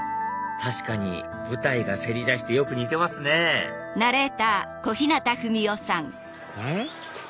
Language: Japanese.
確かに舞台がせり出してよく似てますねん？